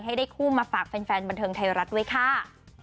ให้ได้คู่มาฝากแฟนบันเทิงไทยรัฐไว้ค่ะ